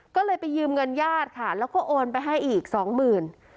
ก็เลยไปยืมเงินญาติค่ะแล้วก็โอนไปให้อีกสองหมื่น